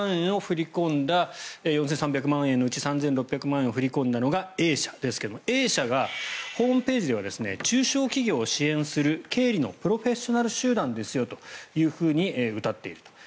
今回、４３００万円のうち３６００万円を振り込んだ振り込んだのがＡ社ですがＡ社がホームページでは中小企業を支援する経理のプロフェッショナル集団ですよとうたっていると。